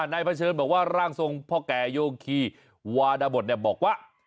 เผชิญบอกว่าร่างทรงพ่อแก่โยคีวาดบทบอกว่า